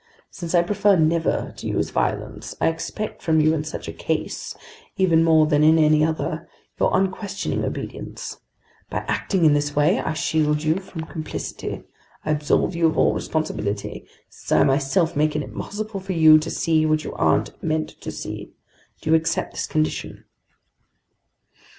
Since I prefer never to use violence, I expect from you in such a case, even more than in any other, your unquestioning obedience. By acting in this way, I shield you from complicity, I absolve you of all responsibility, since I myself make it impossible for you to see what you aren't meant to see. Do you accept this condition?"